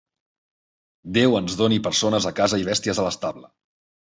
Déu ens doni persones a casa i bèsties a l'estable.